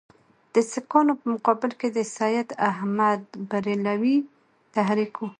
د سیکهانو په مقابل کې د سید احمدبرېلوي تحریک وو.